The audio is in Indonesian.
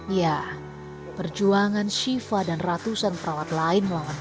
ya perjuangan shiva dan ratusan perawat lain melawan